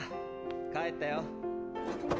帰ったよ。